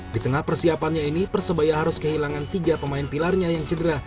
di tengah persiapannya ini persebaya harus kehilangan tiga pemain pilarnya yang cedera